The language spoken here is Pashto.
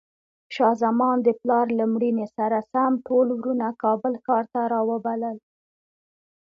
شاه زمان د پلار له مړینې سره سم ټول وروڼه کابل ښار ته راوبلل.